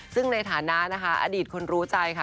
ซึ่งในฐานะนะคะอดีตคนรู้ใจค่ะ